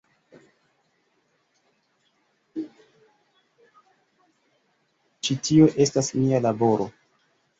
Ĉi tio estas nia laboro.